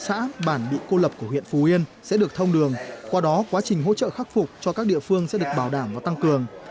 tất cả các điểm xã bản bị cô lập của huyện phú yên sẽ được thông đường qua đó quá trình hỗ trợ khắc phục cho các địa phương sẽ được bảo đảm và tăng cường